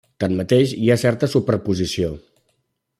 Tanmateix, hi ha certa superposició.